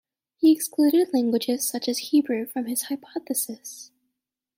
He excluded languages such as Hebrew from his hypothesis.